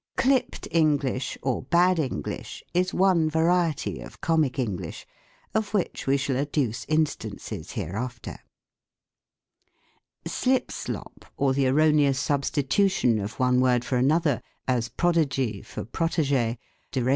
Clipped English, or bad English, is one variety of Q THE COMIC ENGLISH GRAMMAR. Comic English, of which we shall adduce instancea hereafter. Slipslop, or the erroneous substitution of one word for another, as "prodigy" for "protegee," "derange.